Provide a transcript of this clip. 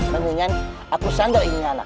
mendingan aku sandal ini anak